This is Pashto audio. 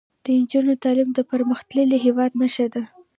د نجونو تعلیم د پرمختللي هیواد نښه ده.